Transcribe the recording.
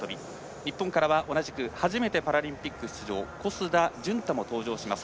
日本からは同じく初めてパラリンピック出場小須田潤太も登場します。